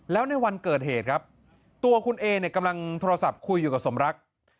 แล้วในวันเกิดเหตุครับตัวคุณเอเนี่ยกำลังโทรศัพท์คุยอยู่กับสมรัก